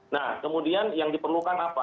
nah kemudian yang diperlukan apa